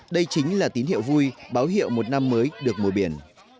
đây chính là tín hiệu vui báo hiệu một năm mới được mùa biển